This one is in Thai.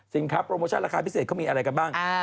โปรโมชั่นราคาพิเศษเขามีอะไรกันบ้าง